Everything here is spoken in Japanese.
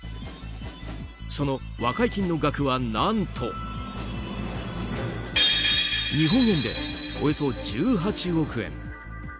その和解金の額は何と日本円でおよそ１８億円。